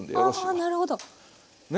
あなるほど。ね？